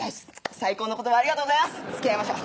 「最高の言葉ありがとうございますつきあいましょう」